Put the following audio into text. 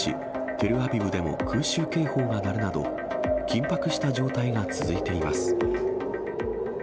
テルアビブでも空襲警報が鳴るなど、緊迫した状態が続いています。